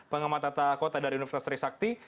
pengamat tata kota dari universitas trisakti